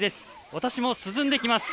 私も涼んできます。